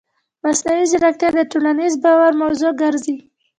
مصنوعي ځیرکتیا د ټولنیز باور موضوع ګرځي.